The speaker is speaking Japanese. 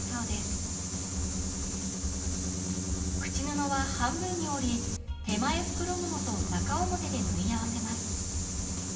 口布は半分に折り手前袋布と中表で縫い合わせます。